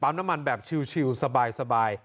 น้ำมันแบบชิลสบาย